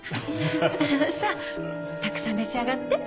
さあたくさん召し上がって。